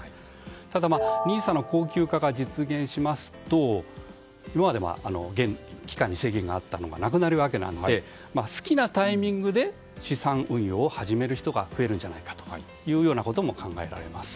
ただ、ＮＩＳＡの恒久化が実現しますと今までは、期間に制限があったのが、なくなるので好きなタイミングで資産運用を始める人が増えるんじゃないかということも考えられます。